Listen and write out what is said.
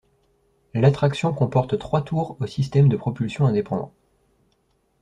L'attraction comporte trois tours au système de propulsion indépendant.